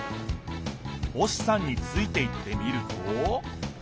星さんについていってみると？